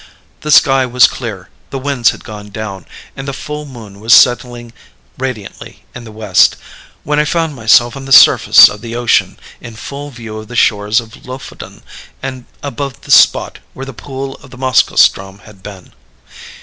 The sky was clear, the winds had gone down, and the full moon was setting radiantly in the west, when I found myself on the surface of the ocean, in full view of the shores of Lofoden, and above the spot where the pool of the Moskoe ström had been.